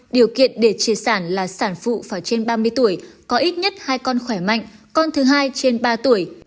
điều kiện để chia sản là sản phụ phải trên ba mươi tuổi có ít nhất hai con khỏe mạnh con thứ hai trên ba tuổi